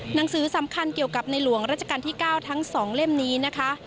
หนังสือสำคัญเกี่ยวกับในหลวงราชการที่๙ทั้ง๒เล่มนี้นะคะ